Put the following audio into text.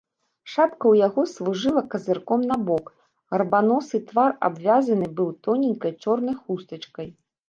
Шапка ў яго служыла казырком набок, гарбаносы твар абвязаны быў тоненькай чорнай хустачкай.